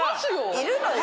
いるのよ。